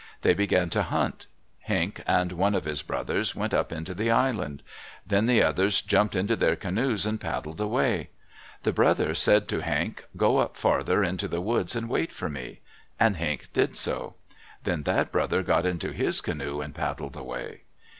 They began to hunt. Henq and one of his brothers went up into the island. Then the others jumped into their canoes and paddled away. The brother said to Henq, "Go up farther into the woods and wait for me." And Henq did so. Then that brother got into his canoe and paddled away.